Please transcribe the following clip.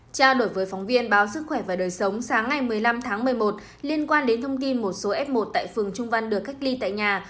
trao đổi với phóng viên báo sức khỏe và đời sống sáng ngày một mươi năm tháng một mươi một liên quan đến thông tin một số f một tại phường trung văn được cách ly tại nhà